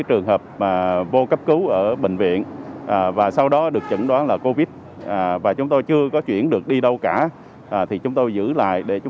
trong công tác phòng chống dịch